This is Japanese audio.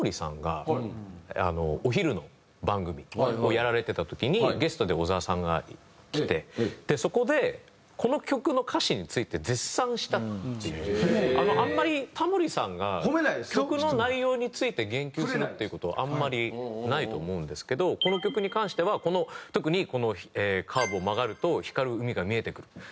お昼の番組をやられてた時にゲストで小沢さんが来てそこでこの曲のあんまりタモリさんが曲の内容について言及するっていう事はあんまりないと思うんですけどこの曲に関しては特にこの「カーブを曲がると光る海が見えてくる」。